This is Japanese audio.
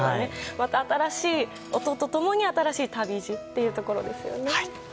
また、新しい音と共に新しい旅路ってところですよね。